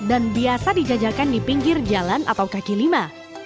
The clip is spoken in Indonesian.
dan biasa dijajakan di pinggir jalan atau kaki lima